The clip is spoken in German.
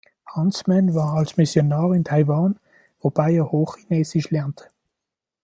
Huntsman war als Missionar in Taiwan, wobei er Hochchinesisch lernte.